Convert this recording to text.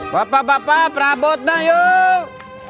bapak bapak perabot mah yuk